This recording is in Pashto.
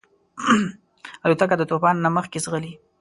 الوتکه د طوفان نه مخکې ځغلي.